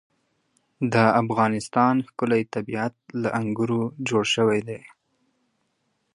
د افغانستان ښکلی طبیعت له انګورو جوړ شوی دی.